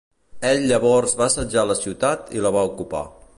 Ell llavors va assetjar la ciutat i la va ocupar.